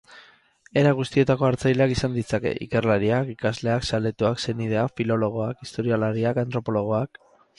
Era guztietako hartzaileak izan ditzake: ikerlariak, ikasleak, zaletuak, senideak, filologoak, historialariak, antropologoak...